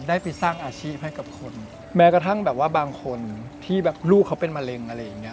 ได้ไปสร้างอาชีพให้กับคนแม้กระทั่งแบบว่าบางคนที่แบบลูกเขาเป็นมะเร็งอะไรอย่างเงี้